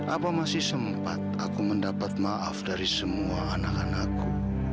apa masih sempat aku mendapat maaf dari semua anak anakku